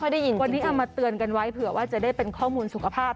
วันนี้เอามาเตือนกันไว้เผื่อว่าจะได้เป็นข้อมูลสุขภาพ